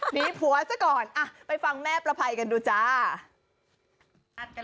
มีผัวซะก่อนไปฟังแม่ประภัยกันดูจ้า